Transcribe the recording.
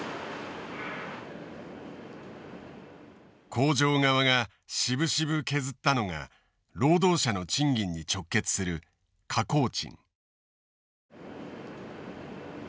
工場側がしぶしぶ削ったのが労働者の賃金に直結する加工賃。